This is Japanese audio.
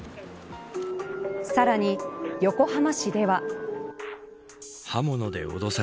さらに、横浜市では。